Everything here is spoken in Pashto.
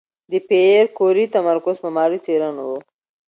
د پېیر کوري تمرکز په ماري څېړنو و.